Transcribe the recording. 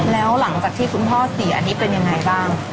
แล้วหลังจากที่คุณพ่อเสียอันนี้เป็นยังไงบ้าง